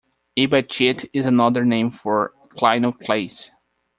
Abichite is another name for clinoclase.